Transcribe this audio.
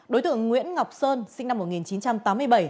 đối tượng nguyễn ngọc sơn sinh năm một nghìn chín trăm tám mươi bảy